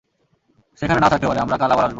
সে এখানে নাও থাকতে পারে, আমরা কাল আবার আসব।